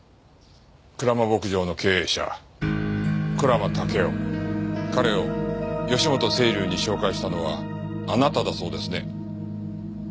蔵間牧場の経営者蔵間武生彼を義本青流に紹介したのはあなただそうですね？